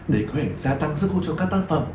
để có thể gia tăng sức cho các tác phẩm